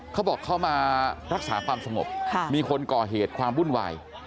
เขาบอกเขามารักษาความสงบมีคนก่อเหตุความวุ่นวาย